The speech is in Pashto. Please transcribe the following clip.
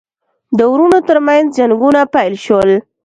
د وروڼو ترمنځ جنګونه پیل شول.